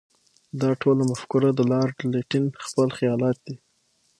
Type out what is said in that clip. دا ټوله مفکوره د لارډ لیټن خپل خیالات دي.